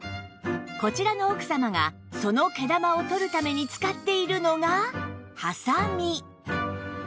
こちらの奥様がその毛玉を取るために使っているのがハサミ